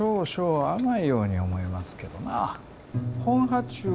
はい。